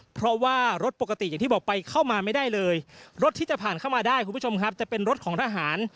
เพราะว่ารถปกติอย่างที่บอกไปเข้ามาไม่ได้เลยรถที่จะผ่านเข้ามาได้คุณผู้ชมครับจะเป็นรถของทหาร